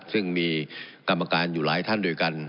ซึ่งมีกรรมการอยู่หลายท่านด้วยกัน